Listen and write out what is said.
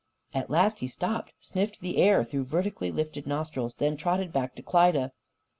At last he stopped, sniffed the air through vertically lifted nostrils, then trotted back to Klyda.